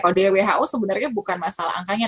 kalau dari who sebenarnya bukan masalah angkanya